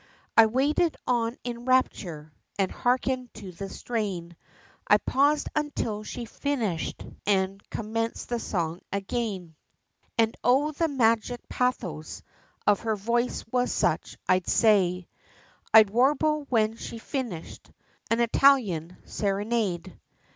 I waited on in rapture, and harkened to the strain, I paused until she finished, and commenced the song again, And O the magic pathos, of her voice was such, I say'd "I'll warble when she's finished, an Italian serenade."